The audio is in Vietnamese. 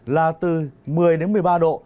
là từ một mươi một mươi ba độ